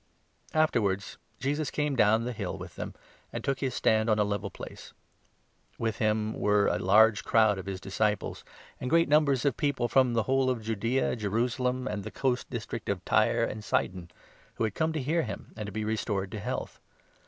16 Afterwards Jesus came down the hill with them and took 17 his stand on a level place. With him were a large crowd of his disciples, and great numbers of people from the whole of Judaea, Jerusalem, and the coast district of Tyre and Sidon, who had come to hear him and to be restored to health.